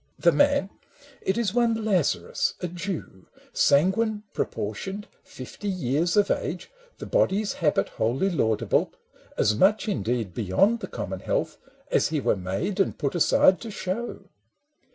The man — it is one Lazarus a Jew, Sanguine, proportioned, fifty years of age, The body's habit wholly laudable, As much, indeed, beyond the common health As he were made and put aside to show.